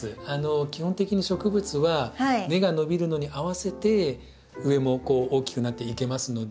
基本的に植物は根が伸びるのに合わせて上も大きくなっていけますので。